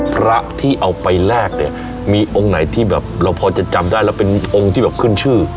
พระที่เอาไปแลกเนี่ยมีองค์ไหนที่แบบเราพอจะจำได้แล้วเป็นองค์ที่แบบขึ้นชื่อ